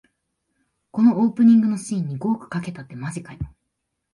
このオープニングのシーンに五億かけたってマジかよ